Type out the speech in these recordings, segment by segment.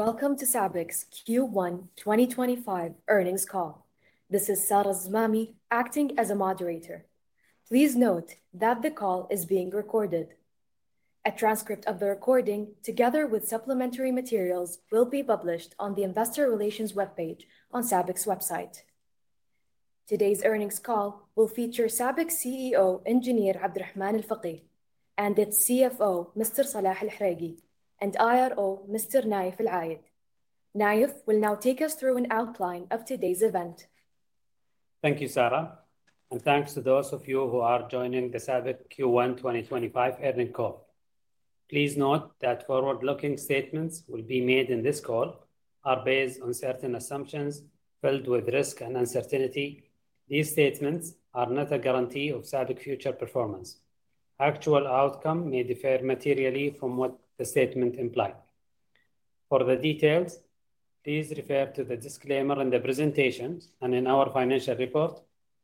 Welcome to SABIC's Q1 2025 Earnings Call. This is Sarah Alzamami acting as a moderator. Please note that the call is being recorded. A transcript of the recording, together with supplementary materials, will be published on the Investor Relations webpage on SABIC's website. Today's earnings call will feature SABIC CEO Engr. Abdulrahman Al-Fageeh and its CFO Mr. Salah Al-Hareky, and IRO Mr. Naif AlAyed. Naif will now take us through an outline of today's event. Thank you, Sarah, and thanks to those of you who are joining the SABIC Q1 2025 Earnings Call. Please note that forward-looking statements will be made in this call are based on certain assumptions filled with risk and uncertainty. These statements are not a guarantee of SABIC future performance. Actual outcomes may differ materially from what the statements imply. For the details, please refer to the disclaimer in the presentation and in our financial report,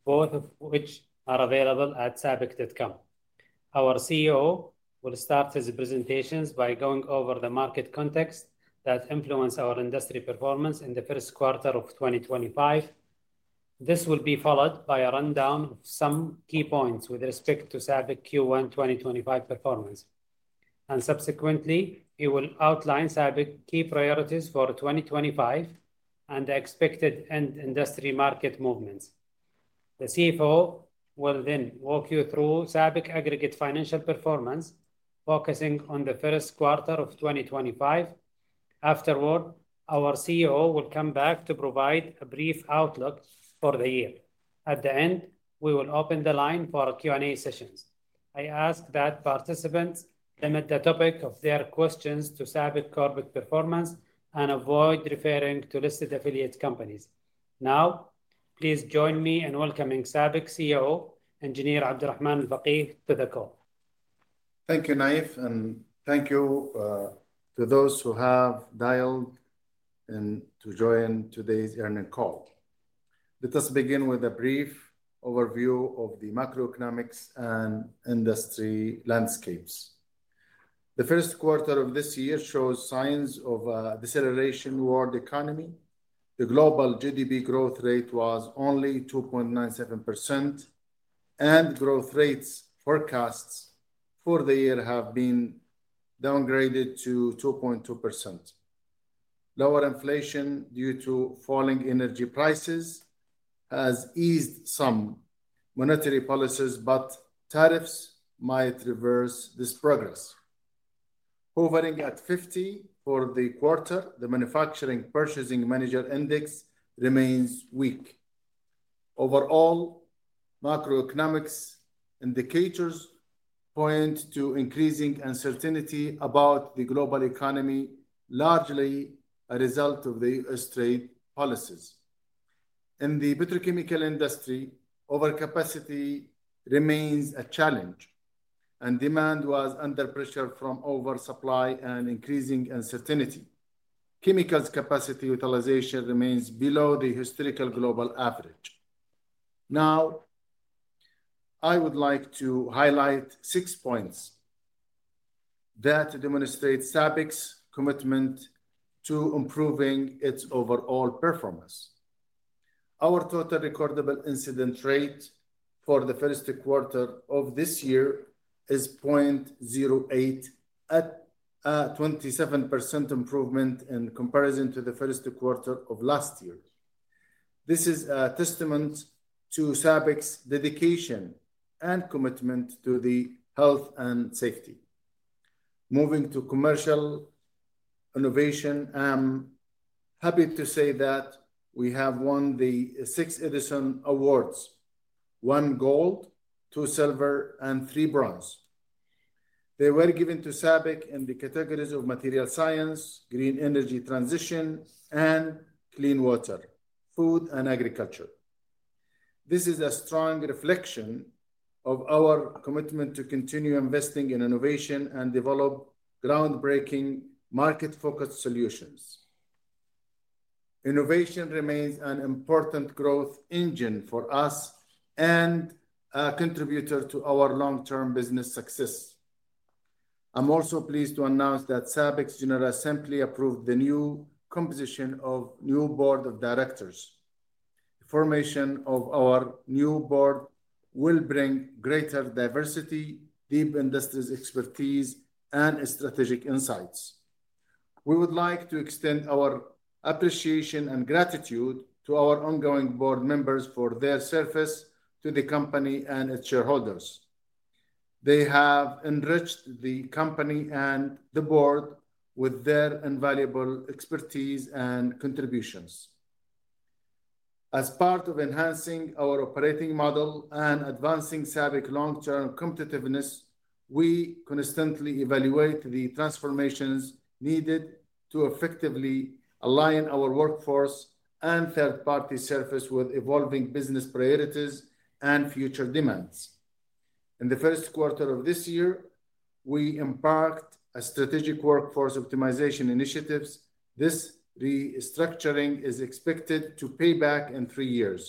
both of which are available at SABIC.com. Our CEO will start his presentations by going over the market context that influenced our industry performance in the first quarter of 2025. This will be followed by a rundown of some key points with respect to SABIC Q1 2025 performance. Subsequently, he will outline SABIC key priorities for 2025 and the expected end-industry market movements. The CFO will then walk you through SABIC aggregate financial performance, focusing on the first quarter of 2025. Afterward, our CEO will come back to provide a brief outlook for the year. At the end, we will open the line for Q&A sessions. I ask that participants limit the topic of their questions to SABIC corporate performance and avoid referring to listed affiliate companies. Now, please join me in welcoming SABIC CEO Engr. Abdulrahman Al-Fageeh to the call. Thank you, Naif, and thank you to those who have dialed in to join today's earnings call. Let us begin with a brief overview of the macroeconomics and industry landscapes. The first quarter of this year shows signs of a deceleration toward the economy. The global GDP growth rate was only 2.97%, and growth rates forecast for the year have been downgraded to 2.2%. Lower inflation due to falling energy prices has eased some monetary policies, but tariffs might reverse this progress. Hovering at 50 for the quarter, the Manufacturing Purchasing Managers' Index remains weak. Overall, macroeconomics indicators point to increasing uncertainty about the global economy, largely a result of the U.S. trade policies. In the petrochemical industry, overcapacity remains a challenge, and demand was under pressure from oversupply and increasing uncertainty. Chemicals' capacity utilization remains below the historical global average. Now, I would like to highlight six points that demonstrate SABIC's commitment to improving its overall performance. Our total recordable incident rate for the first quarter of this year is 0.08, a 27% improvement in comparison to the first quarter of last year. This is a testament to SABIC's dedication and commitment to health and safety. Moving to commercial innovation, I'm happy to say that we have won the six Edison Awards: one gold, two silver, and three bronze. They were given to SABIC in the categories of Material Science, Green Energy Transition, and Clean Water, Food, and Agriculture. This is a strong reflection of our commitment to continue investing in innovation and develop groundbreaking market-focused solutions. Innovation remains an important growth engine for us and a contributor to our long-term business success. I'm also pleased to announce that SABIC's general assembly approved the new composition of the new board of directors. The formation of our new board will bring greater diversity, deep industry expertise, and strategic insights. We would like to extend our appreciation and gratitude to our ongoing board members for their service to the company and its shareholders. They have enriched the company and the board with their invaluable expertise and contributions. As part of enhancing our operating model and advancing SABIC's long-term competitiveness, we constantly evaluate the transformations needed to effectively align our workforce and third-party service with evolving business priorities and future demands. In the first quarter of this year, we embarked on strategic workforce optimization initiatives. This restructuring is expected to pay back in three years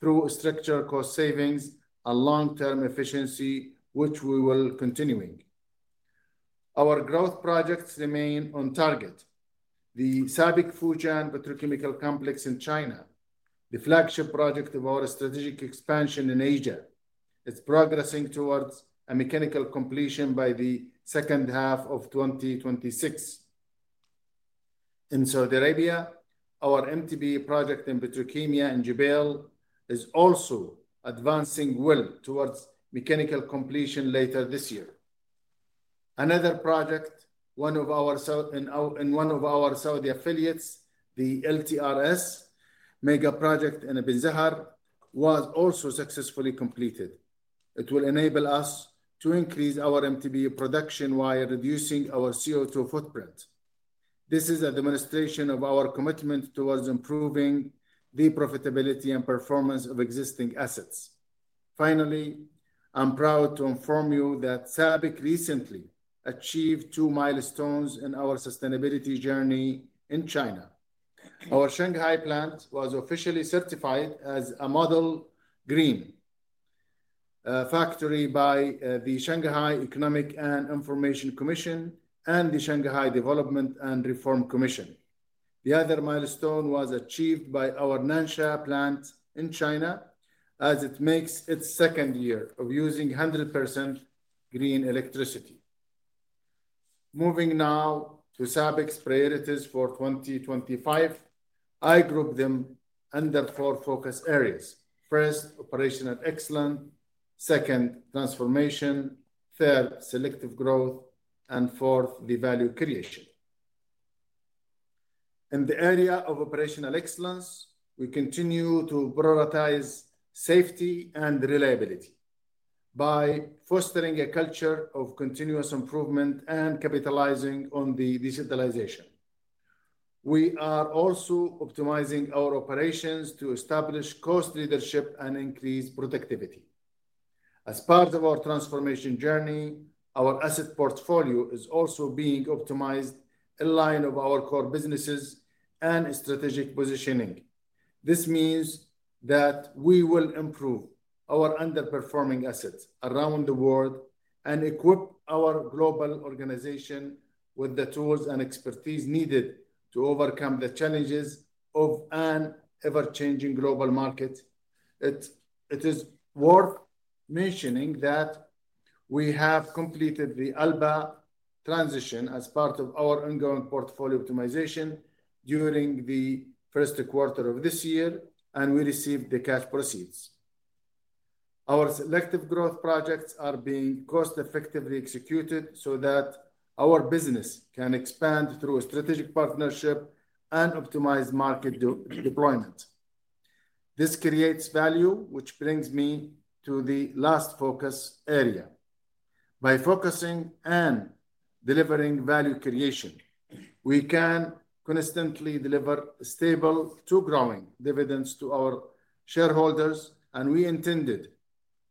through structural cost savings and long-term efficiency, which we will be continuing. Our growth projects remain on target: the SABIC Fujian Petrochemical Complex in China, the flagship project of our strategic expansion in Asia, is progressing towards mechanical completion by the second half of 2026. In Saudi Arabia, our MTBE project in Petrokemya, in Jubail, is also advancing well towards mechanical completion later this year. Another project, one of our Saudi affiliates, the LTRS mega project in IBN ZAHR, was also successfully completed. It will enable us to increase our MTBE production while reducing our CO2 footprint. This is a demonstration of our commitment towards improving the profitability and performance of existing assets. Finally, I'm proud to inform you that SABIC recently achieved two milestones in our sustainability journey in China. Our Shanghai plant was officially certified as a Model Green Factory by the Shanghai Economic and Information Commission and the Shanghai Development and Reform Commission. The other milestone was achieved by our Nansha plant in China, as it makes its second year of using 100% green electricity. Moving now to SABIC's priorities for 2025, I group them under four focus areas: first, operational excellence; second, transformation; third, selective growth; and fourth, the value creation. In the area of operational excellence, we continue to prioritize safety and reliability by fostering a culture of continuous improvement and capitalizing on the digitalization. We are also optimizing our operations to establish cost leadership and increase productivity. As part of our transformation journey, our asset portfolio is also being optimized in line with our core businesses and strategic positioning. This means that we will improve our underperforming assets around the world and equip our global organization with the tools and expertise needed to overcome the challenges of an ever-changing global market. It is worth mentioning that we have completed the Alba transition as part of our ongoing portfolio optimization during the first quarter of this year, and we received the cash proceeds. Our selective growth projects are being cost-effectively executed so that our business can expand through a strategic partnership and optimize market deployment. This creates value, which brings me to the last focus area. By focusing and delivering value creation, we can constantly deliver stable, true-growing dividends to our shareholders, and we intended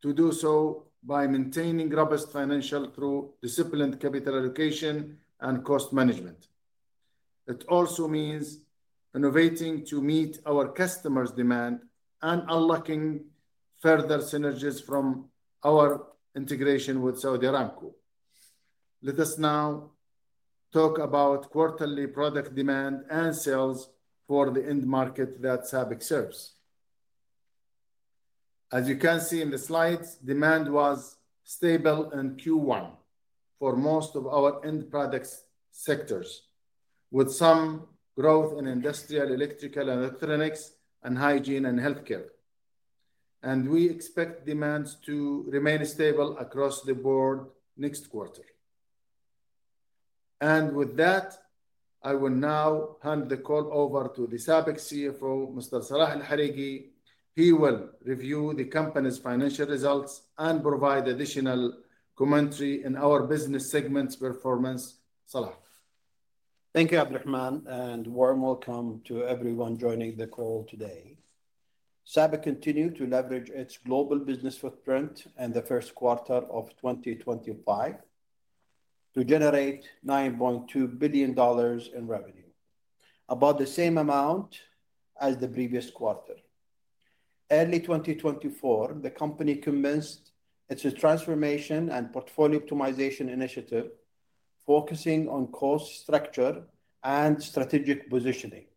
to do so by maintaining robust financials through disciplined capital allocation and cost management. It also means innovating to meet our customers' demand and unlocking further synergies from our integration with Saudi Aramco. Let us now talk about quarterly product demand and sales for the end market that SABIC serves. As you can see in the slides, demand was stable in Q1 for most of our end products sectors, with some growth in industrial, electrical, electronics, hygiene, and healthcare. We expect demand to remain stable across the board next quarter. With that, I will now hand the call over to the SABIC CFO, Mr. Salah Al-Hareky. He will review the company's financial results and provide additional commentary on our business segment's performance. Salah. Thank you, Abdulrahman, and warm welcome to everyone joining the call today. SABIC continued to leverage its global business footprint in the first quarter of 2025 to generate $9.2 billion in revenue, about the same amount as the previous quarter. Early 2024, the company commenced its transformation and portfolio optimization initiative, focusing on cost structure and strategic positioning.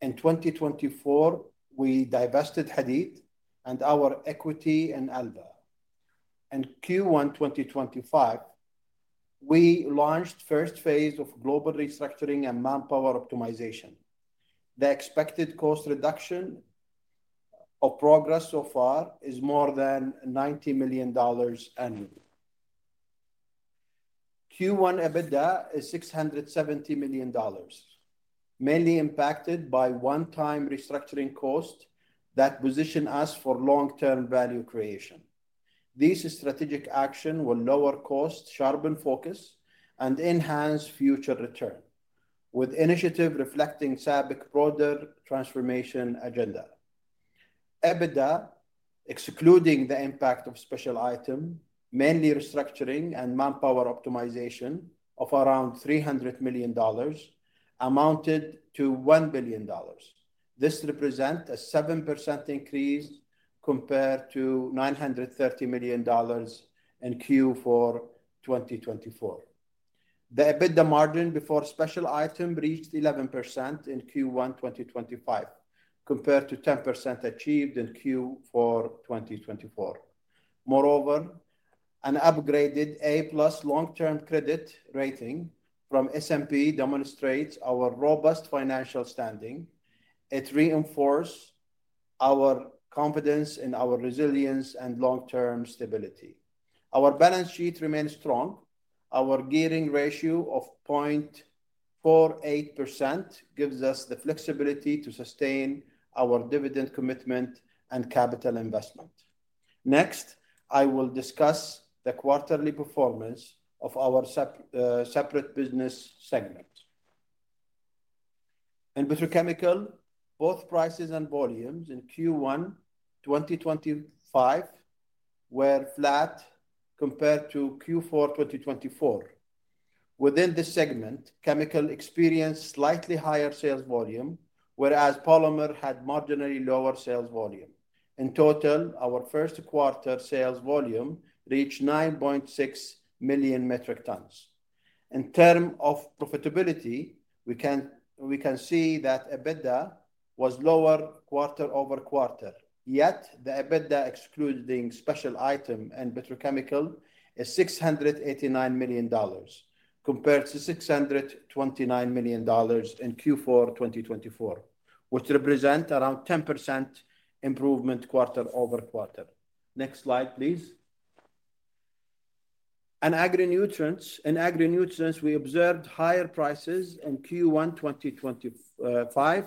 In 2024, we divested Hadeed and our equity in Alba. In Q1 2025, we launched the first phase of global restructuring and manpower optimization. The expected cost reduction of progress so far is more than $90 million annually. Q1 EBITDA is $670 million, mainly impacted by one-time restructuring costs that position us for long-term value creation. These strategic actions will lower costs, sharpen focus, and enhance future returns, with initiatives reflecting SABIC's broader transformation agenda. EBITDA, excluding the impact of special items, mainly restructuring and manpower optimization, of around $300 million amounted to $1 billion. This represents a 7% increase compared to $930 million in Q4 2024. The EBITDA margin before special items reached 11% in Q1 2025, compared to 10% achieved in Q4 2024. Moreover, an upgraded A-plus long-term credit rating from S&P demonstrates our robust financial standing. It reinforces our confidence in our resilience and long-term stability. Our balance sheet remains strong. Our gearing ratio of 0.48% gives us the flexibility to sustain our dividend commitment and capital investment. Next, I will discuss the quarterly performance of our separate business segment. In petrochemicals, both prices and volumes in Q1 2025 were flat compared to Q4 2024. Within this segment, chemicals experienced slightly higher sales volume, whereas polymers had marginally lower sales volume. In total, our first quarter sales volume reached 9.6 million metric tons. In terms of profitability, we can see that EBITDA was lower quarter over quarter. Yet, the EBITDA excluding special items in petrochemicals is $689 million compared to $629 million in Q4 2024, which represents around 10% improvement quarter over quarter. Next slide, please. In agri-nutrients, we observed higher prices in Q1 2025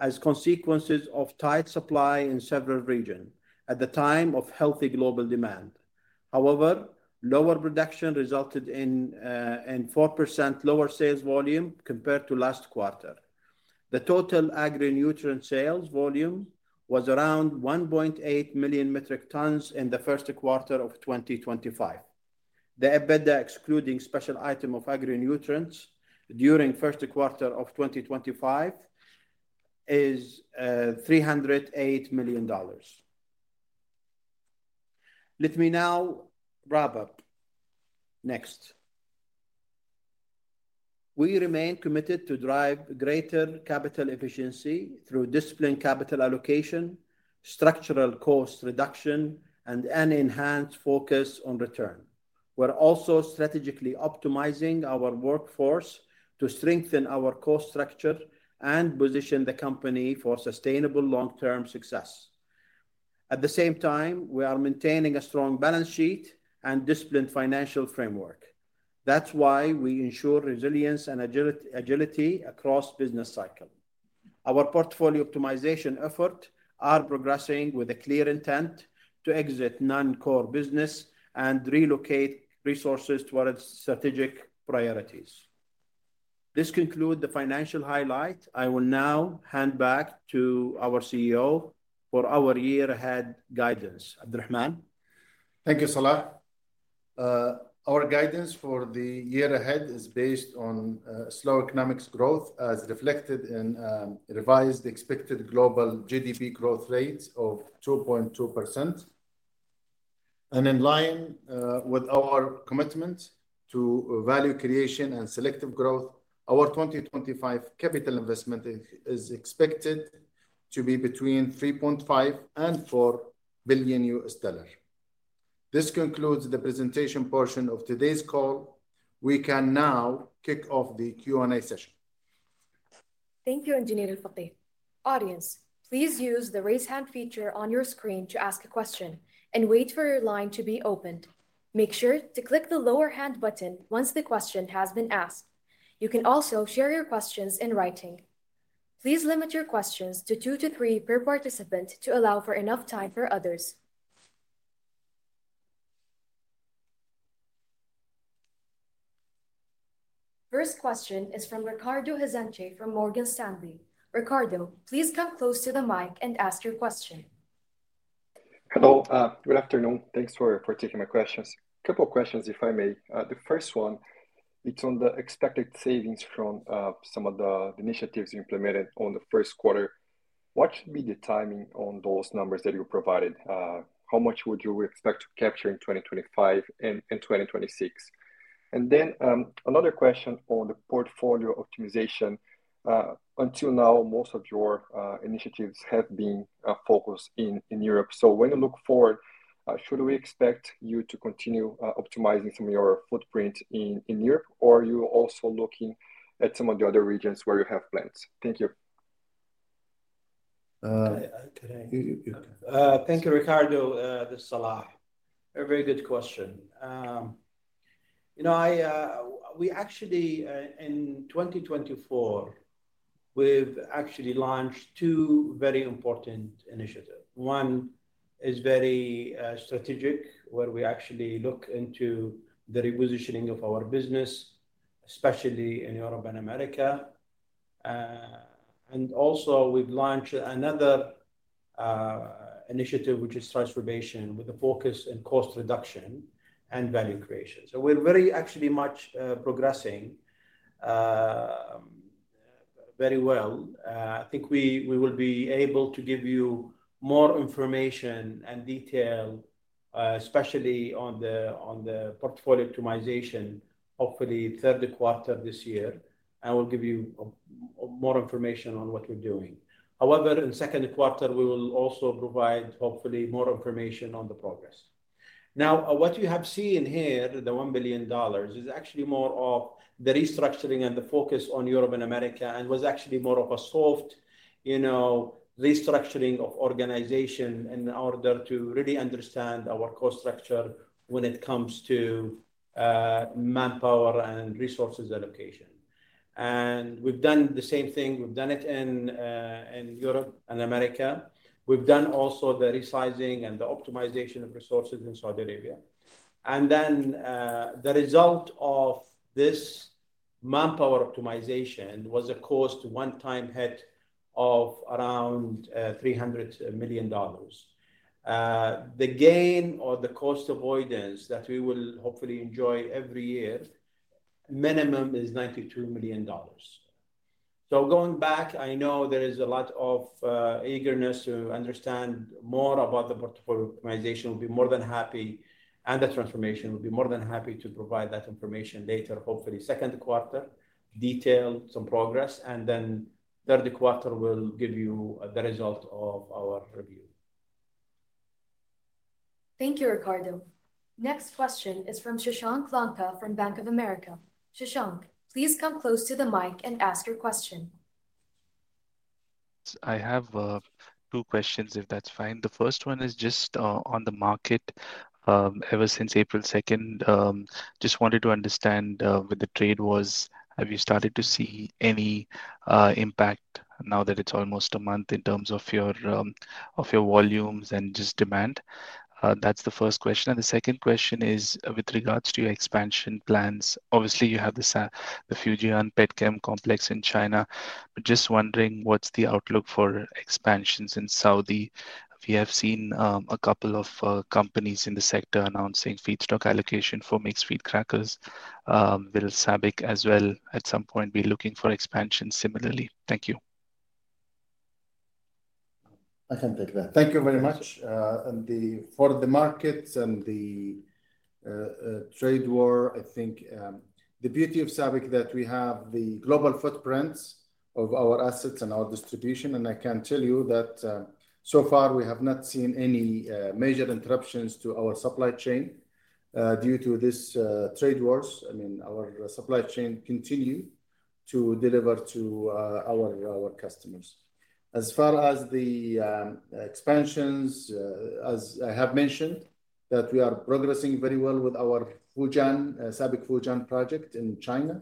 as a consequence of tight supply in several regions at the time of healthy global demand. However, lower production resulted in 4% lower sales volume compared to last quarter. The total agri-nutrient sales volume was around 1.8 million metric tons in the first quarter of 2025. The EBITDA excluding special items of agri-nutrients during the first quarter of 2025 is $308 million. Let me now wrap up. Next. We remain committed to drive greater capital efficiency through disciplined capital allocation, structural cost reduction, and an enhanced focus on return. We're also strategically optimizing our workforce to strengthen our cost structure and position the company for sustainable long-term success. At the same time, we are maintaining a strong balance sheet and disciplined financial framework. That is why we ensure resilience and agility across business cycles. Our portfolio optimization efforts are progressing with a clear intent to exit non-core business and relocate resources towards strategic priorities. This concludes the financial highlight. I will now hand back to our CEO for our year-ahead guidance. Abdulrahman. Thank you, Salah. Our guidance for the year ahead is based on slow economic growth, as reflected in revised expected global GDP growth rates of 2.2%. In line with our commitment to value creation and selective growth, our 2025 capital investment is expected to be between $3.5 billion and $4 billion. This concludes the presentation portion of today's call. We can now kick off the Q&A session. Thank you, Engineer Al-Fageeh. Audience, please use the raise hand feature on your screen to ask a question and wait for your line to be opened. Make sure to click the lower hand button once the question has been asked. You can also share your questions in writing. Please limit your questions to two to three per participant to allow for enough time for others. First question is from Ricardo Harten from Morgan Stanley. Ricardo, please come close to the mic and ask your question. Hello. Good afternoon. Thanks for taking my questions. A couple of questions, if I may. The first one, it's on the expected savings from some of the initiatives implemented in the first quarter. What should be the timing on those numbers that you provided? How much would you expect to capture in 2025 and 2026? Another question on the portfolio optimization. Until now, most of your initiatives have been focused in Europe. When you look forward, should we expect you to continue optimizing some of your footprint in Europe, or are you also looking at some of the other regions where you have plans? Thank you. Thank you, Ricardo. This is Salah. A very good question. You know, we actually, in 2024, we've actually launched two very important initiatives. One is very strategic, where we actually look into the repositioning of our business, especially in Europe and America. Also, we've launched another initiative, which is transformation, with a focus on cost reduction and value creation. You know, we're very, actually, much progressing very well. I think we will be able to give you more information and detail, especially on the portfolio optimization, hopefully third quarter this year. I will give you more information on what we're doing. However, in the second quarter, we will also provide, hopefully, more information on the progress. Now, what you have seen here, the $1 billion, is actually more of the restructuring and the focus on Europe and America, and was actually more of a soft, you know, restructuring of organization in order to really understand our cost structure when it comes to manpower and resources allocation. We've done the same thing. We've done it in Europe and America. We've done also the resizing and the optimization of resources in Saudi Arabia. The result of this manpower optimization was a cost one-time hit of around $300 million. The gain or the cost avoidance that we will hopefully enjoy every year, minimum, is $92 million. Going back, I know there is a lot of eagerness to understand more about the portfolio optimization. We'll be more than happy, and the transformation will be more than happy to provide that information later, hopefully second quarter, detail some progress. In the third quarter, we'll give you the result of our review. Thank you, Ricardo. Next question is from Shashank Lanka from Bank of America. Shashank, please come close to the mic and ask your question. I have two questions, if that's fine. The first one is just on the market ever since April 2nd. Just wanted to understand what the trade was. Have you started to see any impact now that it's almost a month in terms of your volumes and just demand? That's the first question. The second question is with regards to your expansion plans. Obviously, you have the Fujian Petrochemical Complex in China. Just wondering what's the outlook for expansions in Saudi? We have seen a couple of companies in the sector announcing feedstock allocation for mixed feed crackers. Will SABIC as well, at some point, be looking for expansion similarly? Thank you. I can take that. Thank you very much. For the markets and the trade war, I think the beauty of SABIC is that we have the global footprints of our assets and our distribution. I can tell you that so far, we have not seen any major interruptions to our supply chain due to this trade wars. I mean, our supply chain continues to deliver to our customers. As far as the expansions, as I have mentioned, we are progressing very well with our SABIC Fujian project in China.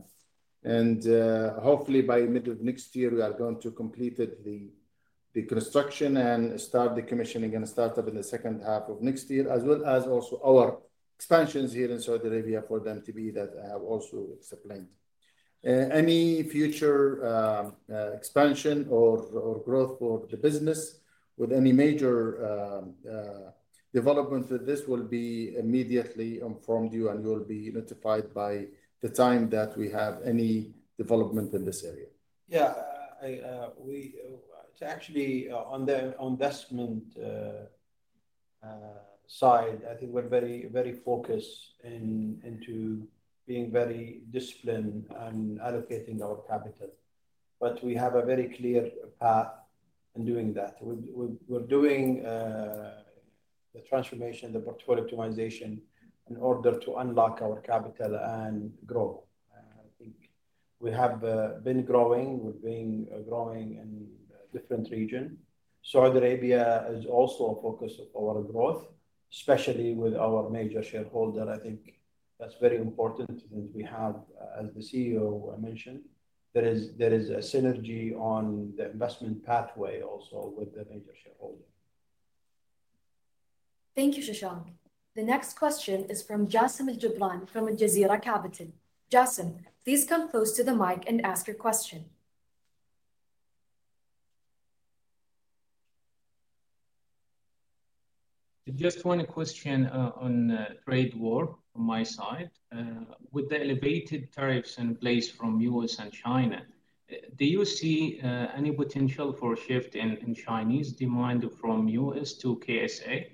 Hopefully, by mid of next year, we are going to complete the construction and start the commissioning and startup in the second half of next year, as well as also our expansions here in Saudi Arabia for them to be that I have also explained. Any future expansion or growth for the business with any major developments, this will be immediately informed to you, and you'll be notified by the time that we have any development in this area. Yeah. To actually, on the investment side, I think we're very focused into being very disciplined and allocating our capital. But we have a very clear path in doing that. We're doing the transformation, the portfolio optimization in order to unlock our capital and grow. I think we have been growing. We've been growing in different regions. Saudi Arabia is also focused on our growth, especially with our major shareholder. I think that's very important because we have, as the CEO mentioned, there is a synergy on the investment pathway also with the major shareholder. Thank you, Shashank. The next question is from Jassim AlJubran from AlJazira Capital. Jassim, please come close to the mic and ask your question. Just one question on the trade war from my side. With the elevated tariffs in place from the U.S. and China, do you see any potential for a shift in Chinese demand from U.S. to KSA?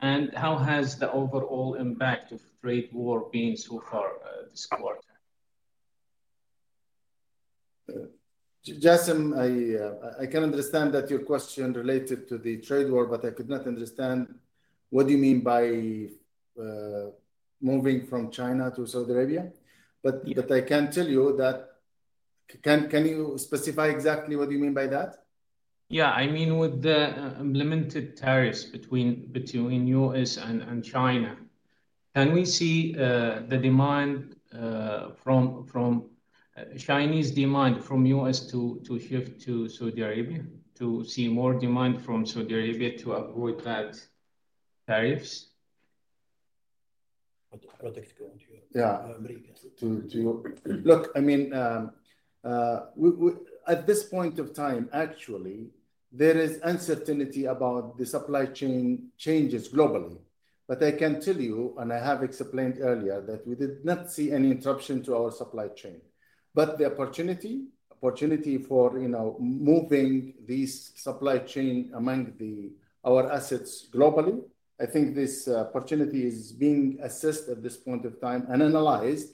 How has the overall impact of trade war been so far this quarter? Jassim, I can understand that your question related to the trade war, but I could not understand what you mean by moving from China to Saudi Arabia. I can tell you that. Can you specify exactly what you mean by that? Yeah. I mean, with the implemented tariffs between the U.S. and China, can we see the demand from Chinese demand from the U.S. to shift to Saudi Arabia, to see more demand from Saudi Arabia to avoid tariffs? Yeah. Look, I mean, at this point of time, actually, there is uncertainty about the supply chain changes globally. I can tell you, and I have explained earlier, that we did not see any interruption to our supply chain. The opportunity for moving these supply chains among our assets globally, I think this opportunity is being assessed at this point of time and analyzed.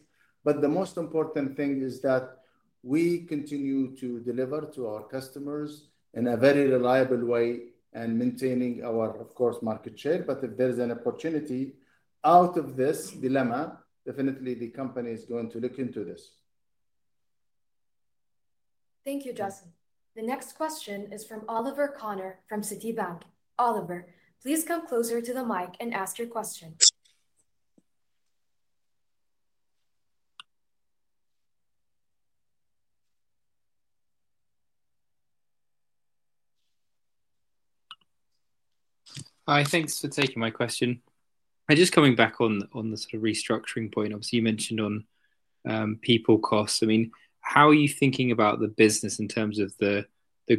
The most important thing is that we continue to deliver to our customers in a very reliable way and maintaining our, of course, market share. If there's an opportunity out of this dilemma, definitely the company is going to look into this. Thank you, Jassim. The next question is from Oliver Connor from Citi. Oliver, please come closer to the mic and ask your question. Hi. Thanks for taking my question. I'm just coming back on the restructuring point. Obviously, you mentioned on people costs. I mean, how are you thinking about the business in terms of the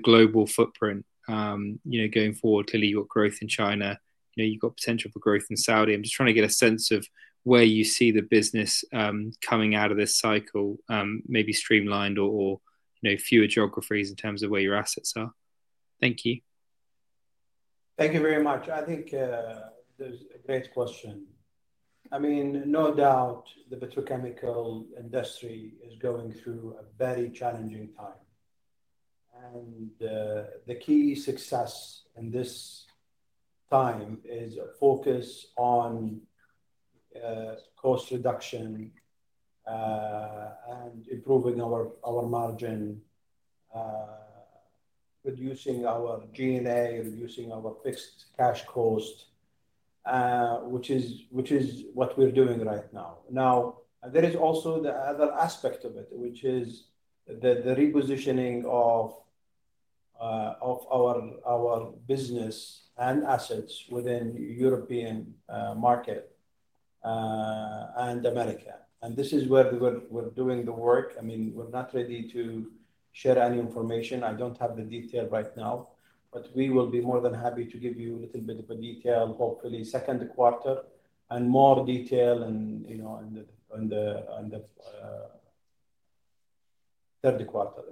global footprint going forward to legal growth in China? You've got potential for growth in Saudi. I'm just trying to get a sense of where you see the business coming out of this cycle, maybe streamlined or fewer geographies in terms of where your assets are. Thank you. Thank you very much. I think that's a great question. I mean, no doubt the petrochemical industry is going through a very challenging time. The key success in this time is a focus on cost reduction and improving our margin, reducing our G&A, reducing our fixed cash cost, which is what we're doing right now. There is also the other aspect of it, which is the repositioning of our business and assets within the European market and America. This is where we're doing the work. I mean, we're not ready to share any information. I don't have the detail right now. We will be more than happy to give you a little bit of a detail, hopefully second quarter, and more detail in the third quarter.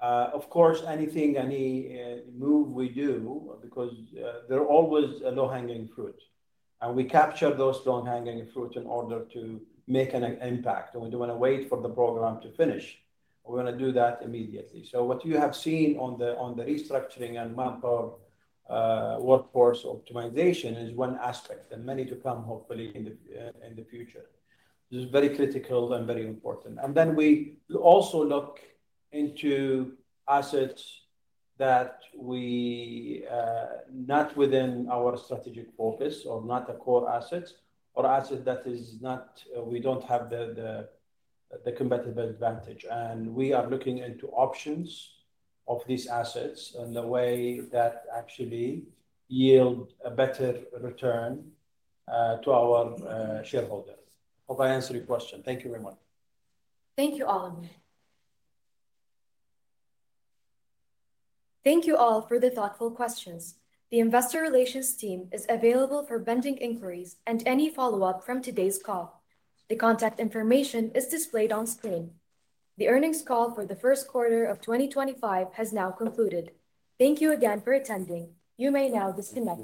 Of course, anything, any move we do, because there are always low-hanging fruit. We capture those low-hanging fruit in order to make an impact. We do not want to wait for the program to finish. We want to do that immediately. What you have seen on the restructuring and manpower workforce optimization is one aspect and many to come, hopefully, in the future. This is very critical and very important. We also look into assets that are not within our strategic focus or not our core assets or assets where we do not have the competitive advantage. We are looking into options for these assets in a way that actually yields a better return to our shareholders. Hope I answered your question. Thank you very much. Thank you, Oliver. Thank you all for the thoughtful questions. The Investor Relations team is available for pending inquiries and any follow-up from today's call. The contact information is displayed on screen. The Earnings Call for the First Quarter of 2025 has now concluded. Thank you again for attending. You may now disconnect.